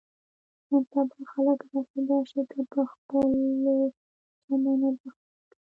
نن سبا خلک راشه درشې ته په خپلو کې چندان ارزښت نه ورکوي.